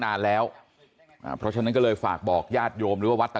นานแล้วเพราะฉะนั้นก็เลยฝากบอกญาติโยมหรือว่าวัดตะ